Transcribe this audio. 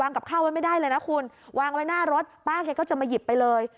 กับข้าวไว้ไม่ได้เลยนะคุณวางไว้หน้ารถป้าแกก็จะมาหยิบไปเลย